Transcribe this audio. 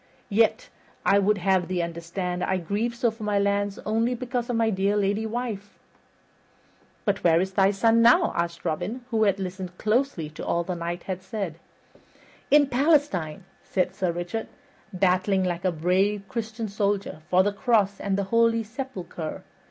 Yet I would have thee understand I grieve so for my lands only because of my dear lady wife." "But where is thy son now?" asked Robin, who had listened closely to all the Knight had said. "In Palestine," said Sir Richard, "battling like a brave Christian soldier for the cross and the holy sepulcher.